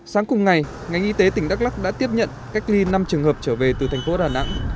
sáng cùng ngày ngành y tế tỉnh đắk lắc đã tiếp nhận cách ly năm trường hợp trở về từ thành phố đà nẵng